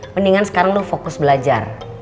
mendingan sekarang lo fokus belajar